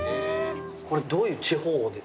これどういう地方で。